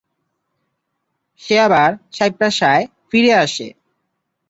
সে আবার সাপ্রিসায় ফিরে আসে।